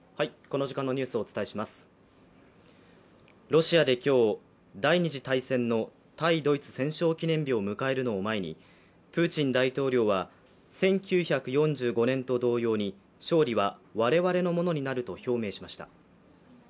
ロシアで今日、第二次大戦の対ドイツ戦勝記念日を迎える前にプーチン大統領は１９４５年と同様に勝利は我々のものになると表明しました。